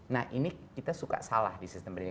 nah ini kita suka salah di sistem ini